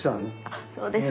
あっそうですか。